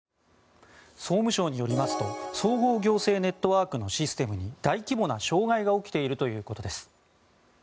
総務省によりますと総合行政ネットワークのシステムに大規模な障害が起きているということです。